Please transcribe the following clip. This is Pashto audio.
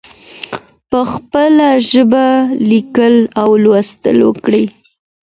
په خپله ژبه لیکل او لوستل وکړئ.